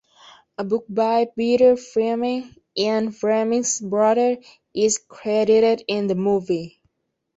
A book by Peter Fleming, Ian Fleming's brother, is credited in the movie.